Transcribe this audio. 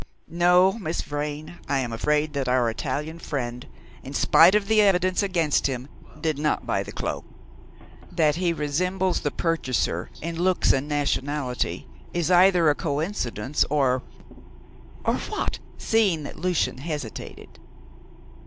No, Miss Vrain, I am afraid that our Italian friend, in spite of the evidence against him, did not buy the cloak. That he resembles the purchaser in looks and nationality is either a coincidence or " "Or what?" seeing that Lucian hesitated.